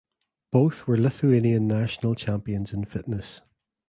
Both were Lithuanian National Champions in Fitness.